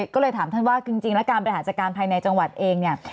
ก็เลยถามท่านว่าจริงแล้วการบริหารจัดการภายในจังหวัดเองเนี่ย